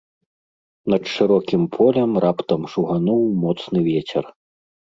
Над шырокім полем раптам шугануў моцны вецер.